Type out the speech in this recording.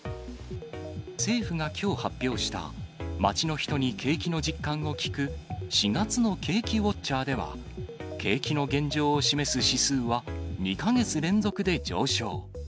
政府がきょう発表した、街の人に景気の実感を聞く、４月の景気ウォッチャーでは、景気の現状を示す指数は、２か月連続で上昇。